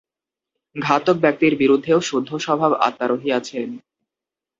ঘাতক-ব্যক্তির ভিতরেও শুদ্ধস্বভাব আত্মা রহিয়াছেন।